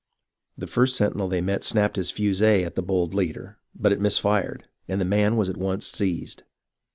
The first sentinel they met snapped his fusee at the bold leader, but it missed fire, and the man was at once seized.